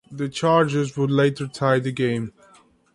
The Chargers would later tie the game.